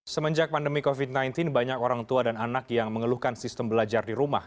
semenjak pandemi covid sembilan belas banyak orang tua dan anak yang mengeluhkan sistem belajar di rumah